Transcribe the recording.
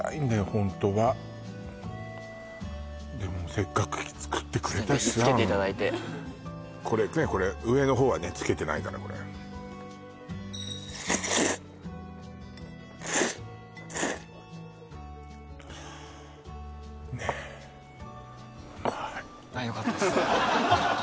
ホントはでもせっかく作ってくれたしさぜひつけていただいてこれ上のほうはねつけてないからこれねえああよかったです